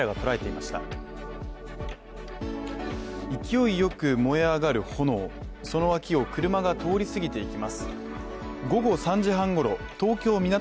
勢いよく燃え上がる炎その脇を車が通り過ぎていきます。